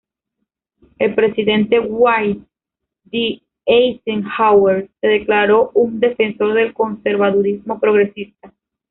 El presidente Dwight D. Eisenhower se declaró un defensor del "conservadurismo progresista".